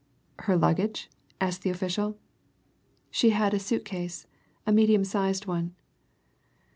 "Her luggage?" asked the official. "She had a suit case: a medium sized one."